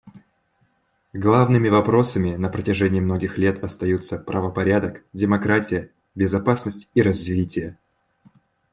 Главными вопросами на протяжении многих лет остаются правопорядок, демократия, безопасность и развитие.